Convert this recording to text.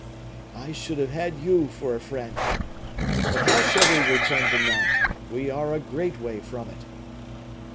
"I should have had you for a friend! But how shall we return to Nantes? We are a great way from it."